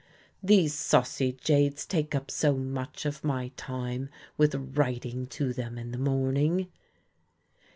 "These saucy jades take up so much of my time with writing to them in the morning."